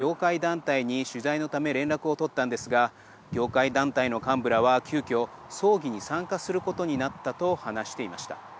私たちは、今日穀物輸出の業界団体に取材のため連絡を取ったんですが業界団体の幹部らは、急きょ葬儀に参加することになったと話していました。